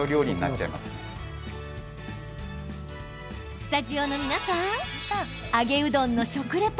スタジオの皆さん揚げうどんの食リポ